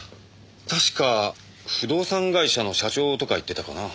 たしか不動産会社の社長とか言ってたかな。